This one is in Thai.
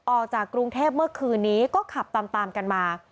ออกจากกรุงเทพเมื่อคืนนี้ก็ขับตามกันมา